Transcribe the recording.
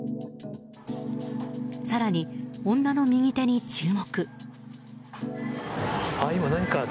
更に女の右手に注目。